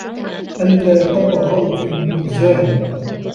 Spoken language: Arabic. أَلّا تَطغَوا فِي الميزانِ